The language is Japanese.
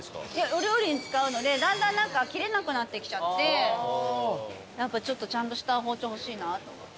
お料理に使うのでだんだん切れなくなってきちゃってちょっとちゃんとした包丁欲しいなと思って。